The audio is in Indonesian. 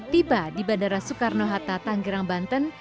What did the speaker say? tiba di bandara soekarno hatta tanggerang banten